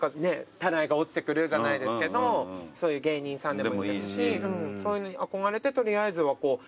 たらいが落ちてくるじゃないですけどそういう芸人さんでもいいですしそういうのに憧れてとりあえずは出てきたというか。